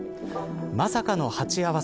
まさかの鉢合わせ。